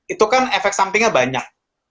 itu kan efek sampingnya banyak